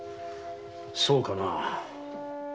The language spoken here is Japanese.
そうかな？